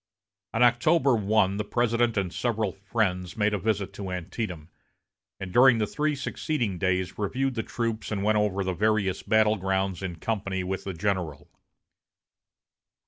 On October 1, the President and several friends made a visit to Antietam, and during the three succeeding days reviewed the troops and went over the various battle grounds in company with the general.